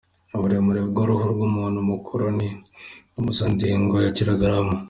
Uburemere bw’uruhu rw’umuntu mukuru ni impuzandengo ya kilogarama ,.